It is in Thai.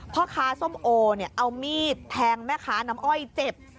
พ่อค้าส้มโอเนี่ยเอามีดแทงแม่ค้าน้ำอ้อยเจ็บ